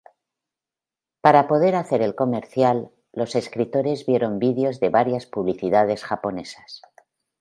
Para poder hacer el comercial, los escritores vieron videos de varias publicidades japonesas.